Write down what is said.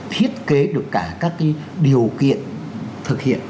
thiết kế được cả các điều kiện thực hiện